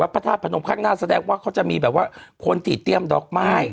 พถาติผนมค่างหน้าแสดงว่าเขาจะมีแบบว่าควรตีเตี้ยมดอกไม้